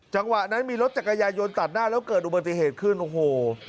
จังหวะนั้นมีรถจักรยายนตัดหน้าแล้วเกิดอุบัติเหตุขึ้นโอ้โห